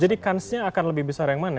jadi kansnya akan lebih besar yang mana